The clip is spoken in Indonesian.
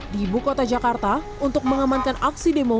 di ibu kota jakarta untuk mengamankan aksi demo